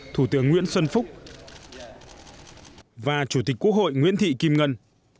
thủ tướng nguyễn xuân phúc và chủ tịch quốc hội nguyễn thị kim ngân